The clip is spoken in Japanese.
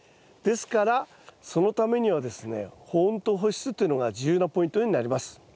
ですからそのためにはですね保温と保湿というのが重要なポイントになります。